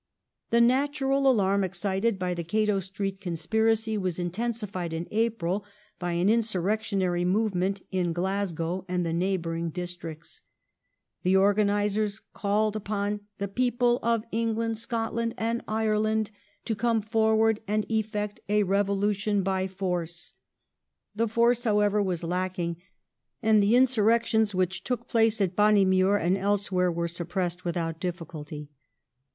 The natural alarm excited by the Cato Street Conspiracy was intensified in April by an insurrectionary movement in Glasgow and the neighbouring districts. The organizers called upon "the people of England, Scotland, and Ireland to come forward and effect a revolution by force". The force, however, was lacking, and the "insurrections" which took place at Bonnymuir and else where were suppressed without difficulty.